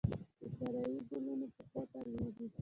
د سارايي ګلونو پښو ته لویږې